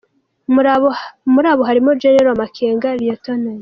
Muri abo harimo Gen Makenga, Lt.